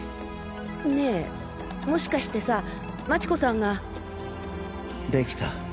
ねぇもしかしてさ町子さんが。できた。